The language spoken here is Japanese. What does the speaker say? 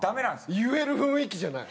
言える雰囲気じゃない。